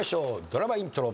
ドラマイントロ。